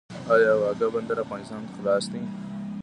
آیا واګه بندر افغانستان ته خلاص دی؟